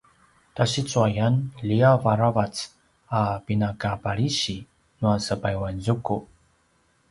tasicuayan liav aravac a pinakapalisi nua sepayuanzuku